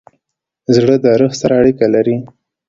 زړه د روح سره اړیکه لري.